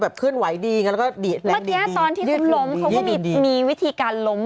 เมื่อกี้ตอนที่ล้มเขาก็กินที่มีวิธีการล้ม